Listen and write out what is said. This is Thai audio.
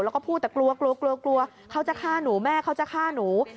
แล้วก็พูดแต่กลัวกลัวกลัวเขาจะฆ่าหนูแม่เขาจะฆ่าหนู